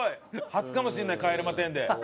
初かもしれない帰れま１０で。